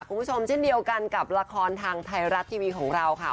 คุณผู้ชมเช่นเดียวกันกับละครทางไทยรัฐทีวีของเราค่ะ